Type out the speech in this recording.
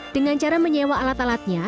dengan cara menyewa alat alatnya